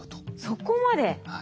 そこまで。